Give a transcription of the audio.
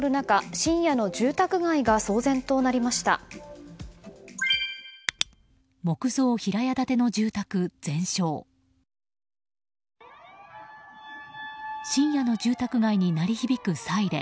深夜の住宅街に鳴り響くサイレン。